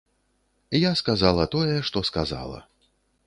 Я сказала тое, што сказала.